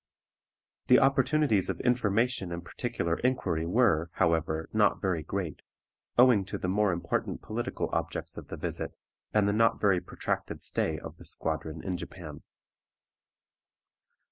The opportunities of information and particular inquiry were, however, not very great, owing to the more important political objects of the visit, and the not very protracted stay of the squadron in Japan.